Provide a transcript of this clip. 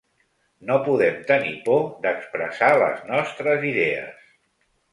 No podem tenir por d’expressar les nostres idees.